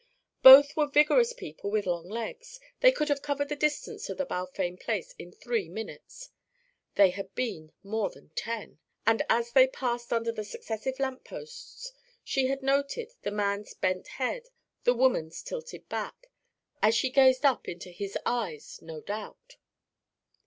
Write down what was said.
Both were vigorous people with long legs; they could have covered the distance to the Balfame place in three minutes. They had been more than ten, and as they passed under the successive lamp posts she had noted the man's bent head, the woman's tilted back as she gazed up into his eyes, no doubt.